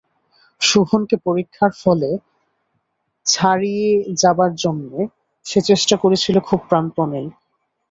শোভনকে পরীক্ষার ফলে ছাড়িয়ে যাবার জন্যে সে চেষ্টা করেছিল খুব প্রাণপণেই।